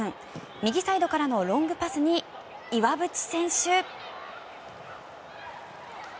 右サイドからのロングパスに岩渕選手。